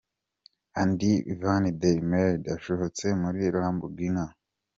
Andy van der Meyde asohotse muri Lamborghini.